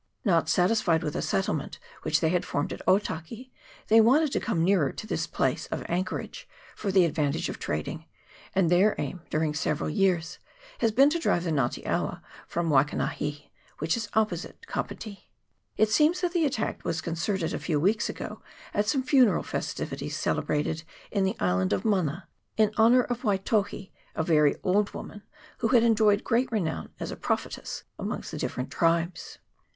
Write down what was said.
Not satisfied with a settlement which they had formed at Otaki, they wanted to coine nearer to this place of anchorage, for the ad vantage of trading, and their aim, during several years, has been to drive the Nga te awa from Wai kanahi, which is opposite Kapiti. It seems that the attack was concerted a few weeks ago at some funeral festivities celebrated in the island of Mana, in honour of Waitohi, a very old woman, who had enjoyed great renown as a prophetess amongst the different tribes.